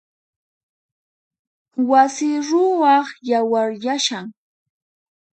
Wasi ruwaq yawaryashan.